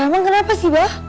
emang kenapa sih bah